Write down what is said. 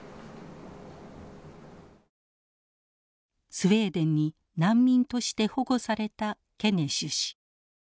スウェーデンに難民として保護されたケネシュ氏。